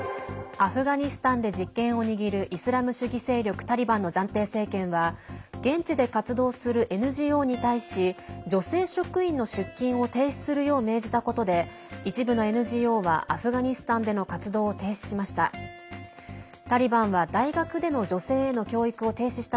アフガニスタンで実権を握るイスラム主義勢力タリバンの暫定政権は現地で活動するＮＧＯに対し女性職員の出勤を停止するよう命じたことで一部のＮＧＯはアフガニスタンでの活動を停止しました。